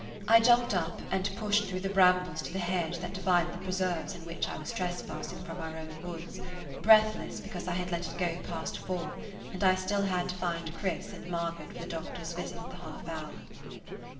I jumped up and pushed through the brambles to the hedge that divided the preserves in which I was trespassing from our own woods, breathless because I had let it go past four and I had still to find Chris and Margaret for the doctor's visit at the half hour.